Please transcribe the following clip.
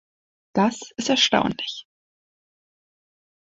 Das ist erstaunlich.